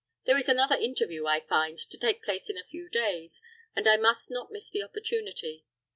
There is another interview, I find, to take place in a few days, and I must not miss the opportunity.